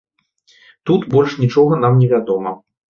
Тут больш нічога нам не вядома.